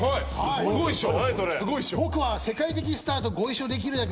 すごいっしょ？